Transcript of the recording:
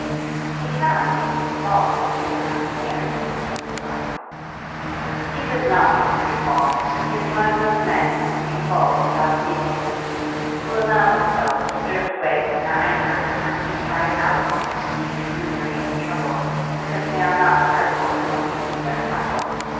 "He cannot mean to be false, if he is coming here," said the wife. "He does not mean to be false; but he is one of those men who can be false without meaning it, who allow themselves to drift away from their anchors, and to be carried out into seas of misery and trouble, because they are not careful in looking to their tackle.